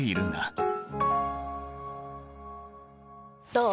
どう？